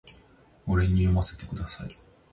俺に読ませてください